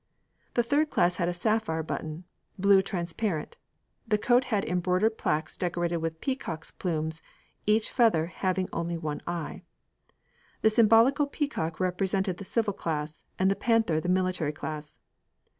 The third class had a sapphire button blue transparent. The coat had embroidered plaques decorated with peacock's plumes, each feather having only one eye. The symbolical peacock represented the civil class, and the panther the military class.